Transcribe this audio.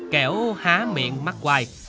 kẻo há miệng mắt quài